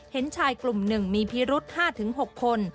เห็นชายกลุ่ม๑มีพิรุษ๕๖คน